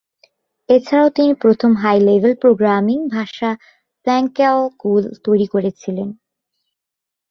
এছাড়াও তিনি প্রথম হাই-লেভেল প্রোগ্রামিং ভাষা প্লানক্যালকুল্ তৈরি করেছিলেন।